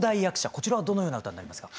こちらはどのような歌になりますか？